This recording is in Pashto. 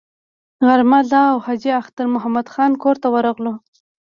غرمه زه او حاجي اختر محمد خان کور ته ورغلو.